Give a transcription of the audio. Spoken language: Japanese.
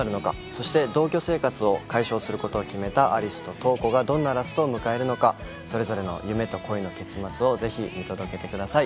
そして同居生活を解消することを決めた有栖と瞳子がどんなラストを迎えるのかそれぞれの夢と恋の結末をぜひ見届けてください